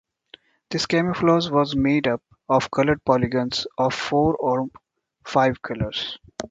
This camouflage was made up of colored polygons of four or five colors.